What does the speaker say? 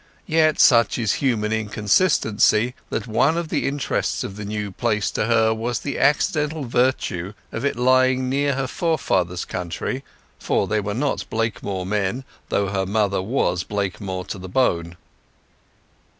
Yet such is human inconsistency that one of the interests of the new place to her was the accidental virtues of its lying near her forefathers' country (for they were not Blakemore men, though her mother was Blakemore to the bone).